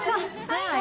はい！